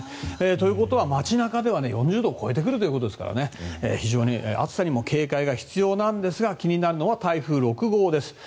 ということは街中では４０度を超えてくるということですから非常に暑さにも警戒が必要なんですが気になるのは台風６号です。